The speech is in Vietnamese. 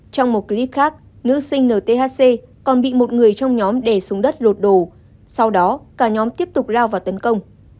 trong một clip khác nữ sinh nthc còn bị một người trong nhóm đè xuống đất lột đồ sau đó cả nhóm tiếp tục lao vào tấn công